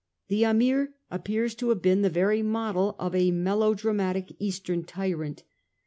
The Am apt appears to have been the very model of a melodrama tic Eastern tyrant.